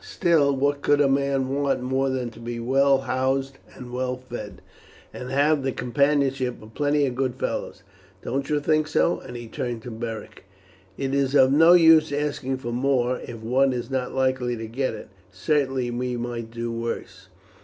Still, what could a man want more than to be well housed, well fed, and have the companionship of plenty of good fellows? Don't you think so?" and he turned to Beric. "It is of no use asking for more if one is not likely to get it; certainly we might do worse."